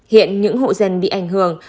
hiện những hộ dân bị ảnh hưởng